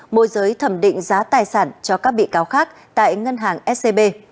môi giới thẩm định giá tài sản cho các bị cáo khác tại ngân hàng scb